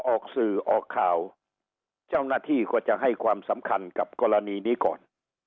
ออกสื่อออกข่าวเจ้าหน้าที่ก็จะให้ความสำคัญกับกรณีนี้ก่อน